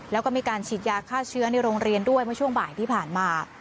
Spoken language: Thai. แล้วก็มีการฉีดยาฆ่าเชื้อในโรงเรียนด้วยเมื่อช่วงบ่ายที่ผ่านมา